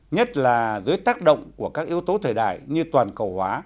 nhất là dưới tác động của các yếu tố thời đại như toàn cầu hóa